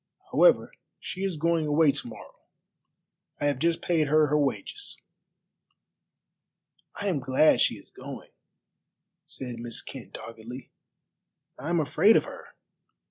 However, she is going away to morrow. I have just paid her her wages." "I am glad she is going," said Miss Kent doggedly; "I am afraid of her.